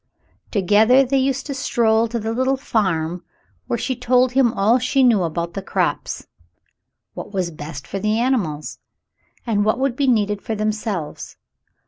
Together they used to stroll to the little farm, where she told him all she knew about the crops — what was best for the animals, and what would be needed for themselves.